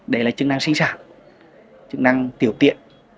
đấy là chức năng sinh sản chức năng tiểu tiện